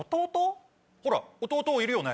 ほら弟いるよね？